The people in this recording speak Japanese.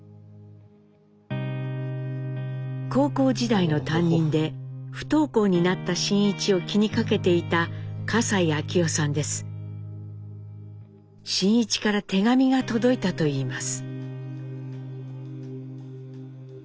高校時代の担任で不登校になった真一を気にかけていた真一から手紙が届いたといいます。